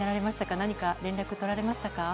何か連絡とられましたか？